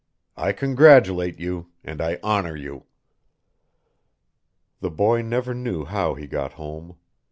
I congratulate you and I honor you." The boy never knew how he got home.